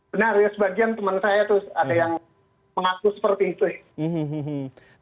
benar ya sebagian teman saya tuh ada yang mengaku seperti itu ya